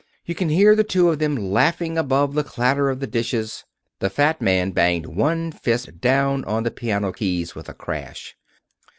You can hear the two of them laughing above the clatter of the dishes " The fat man banged one fist down on the piano keys with a crash.